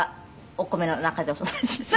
お米の中でお育ちって。